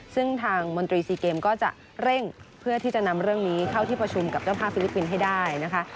ซึ่งทางมนตรีซีเกมก็จะเร่งเพื่อที่จะนำเรื่องนี้เข้าที่ประชุมกับเจ้าภาพฟิลิปปินส์ให้ได้นะคะ